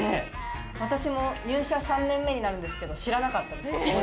私も入社３年目になるんですけど知らなかったです。